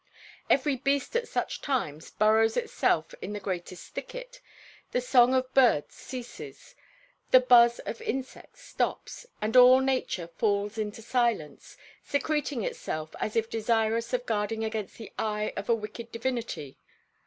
Every beast at such times burrows itself in the greatest thicket, the song of birds ceases, the buzz of insects stops, and all nature falls into silence, secreting itself as if desirous of guarding against the eye of a wicked divinity.